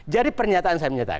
jadi pernyataan saya menyatakan